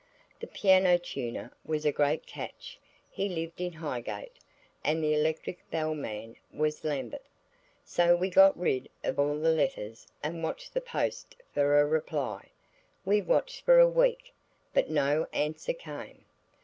The piano tuner was a great catch–he lived in Highgate; and the electric bell man was Lambeth. So we got rid of all the letters, and watched the post for a reply. We watched for a week, but no answer came.